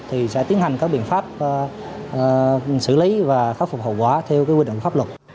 thì sẽ tiến hành các biện pháp xử lý và khắc phục hậu quả theo quy định pháp luật